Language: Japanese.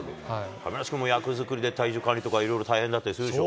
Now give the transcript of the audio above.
亀梨君も役作りで体重管理とかいろいろ大変だったりするでしょ。